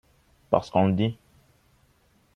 Parce qu’on le dit.